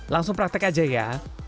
langsung praktek aja ya